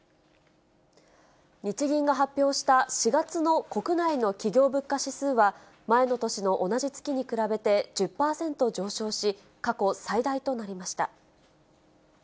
日銀が発表した４月の国内の企業物価指数は、前の年の同じ月に比べて１０％上昇し、過去最大となりました。